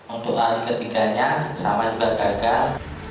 untuk lari ketiganya sama juga gagal